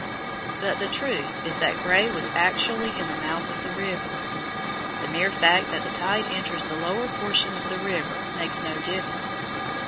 But the truth is that Gray was actually in the mouth of the river. The mere fact that the tide enters the lower portion of the river makes no difference.